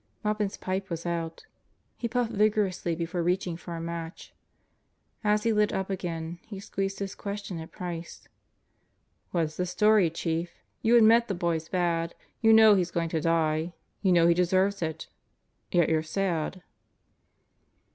Maupin's pipe was out. He puffed vigorously before reaching for a match. As he lit up again, he squeezed his question at Price. "What's the story, Chief? You admit the boy's bad. You know he's going to die. You know he deserves it. Yet you're sad."